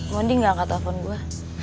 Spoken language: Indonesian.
mondi gak angkat telepon gue